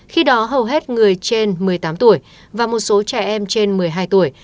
khi đó hầu hết người trên một mươi tám tuổi và một số trẻ em trên một mươi hai tuổi